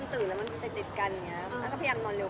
เล่นไม่ค่อยสบายง่าย